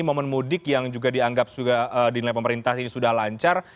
momen mudik yang juga dianggap juga di nilai pemerintah ini sudah lancar